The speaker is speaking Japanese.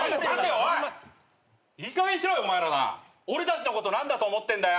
俺たちのこと何だと思ってんだよ。